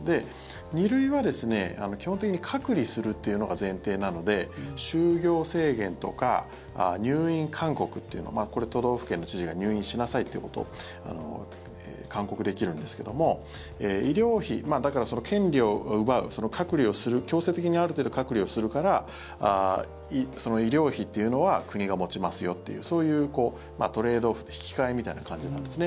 ２類は基本的に隔離するというのが前提なので就業制限とか入院勧告というのこれ、都道府県の知事が入院しなさいということを勧告できるんですけどもだから、権利を奪う強制的にある程度隔離をするからその医療費っていうのは国が持ちますよっていうそういうトレードオフ引き換えみたいな感じなんですね